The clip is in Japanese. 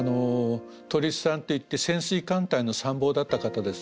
鳥巣さんといって潜水艦隊の参謀だった方です。